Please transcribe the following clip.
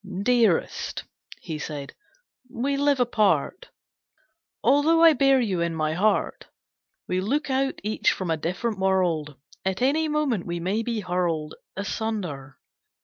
"Dearest," he said, "we live apart Although I bear you in my heart. We look out each from a different world. At any moment we may be hurled Asunder.